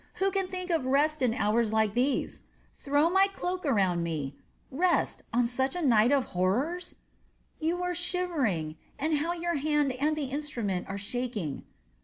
Who can think of rest in hours like these? Throw my cloak around me! Rest on such a night of horror!" "You are shivering. And how your hand and the instrument are shaking."